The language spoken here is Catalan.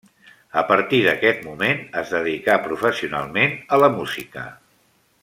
A partir d'aquest moment es dedica professionalment a la música.